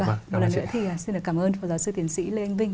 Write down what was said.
một lần nữa thì xin được cảm ơn phó giáo sư tiến sĩ lê anh vinh